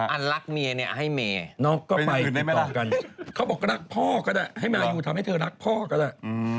อันลักเมียนี้ให้เมน้อปก็ไปติดต่อกันเขาบอกว่ารักพ่อก็ได้ให้เมลานางอยู่ทำให้เธอรักพ่อก็ได้